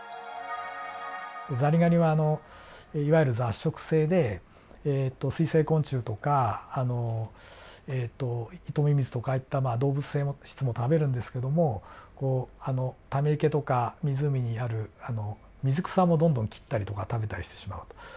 ザリガニはいわゆる雑食性で水生昆虫とかえっとイトミミズとかああいった動物性質も食べるんですけどもこうため池とか湖にある水草もどんどん切ったりとか食べたりしてしまうと。